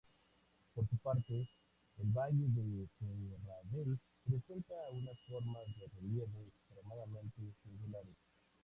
Por su parte, el valle de Serradell presenta unas formas de relieve extremadamente singulares.